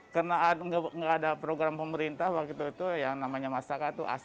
karena nggak ada program pemerintah waktu itu waktu itu yang namanya masyarakat tuh asal asal